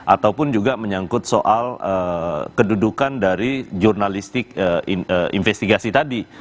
ataupun juga menyangkut soal kedudukan dari jurnalistik investigasi tadi